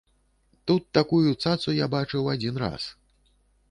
Тут такую цацу я бачыў адзін раз.